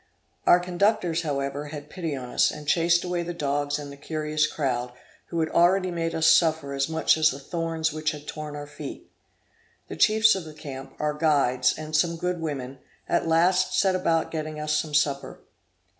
Our conductors, however, had pity on us, and chased away the dogs and the curious crowd, who had already made us suffer as much as the thorns which had torn our feet. The chiefs of the camp, our guides, and some good women, at last set about getting us some supper.